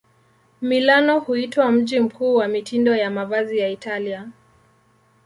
Milano huitwa mji mkuu wa mitindo ya mavazi ya Italia.